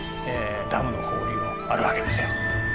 ダムの放流もあるわけですよ。